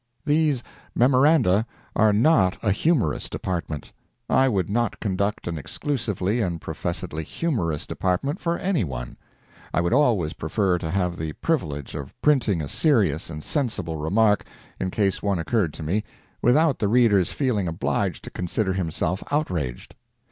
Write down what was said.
These MEMORANDA are not a "humorous" department. I would not conduct an exclusively and professedly humorous department for any one. I would always prefer to have the privilege of printing a serious and sensible remark, in case one occurred to me, without the reader's feeling obliged to consider himself outraged.